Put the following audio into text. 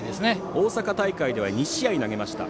大阪大会では２試合投げました。